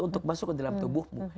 untuk masuk ke dalam tubuhmu